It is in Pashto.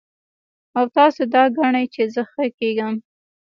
او تاسو دا ګڼئ چې زۀ ښۀ کېږم